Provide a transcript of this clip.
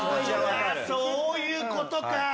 そういうことか！